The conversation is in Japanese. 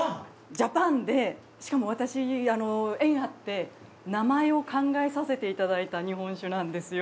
ジャパンでしかも私縁あって名前を考えさせていただいた日本酒なんですよ。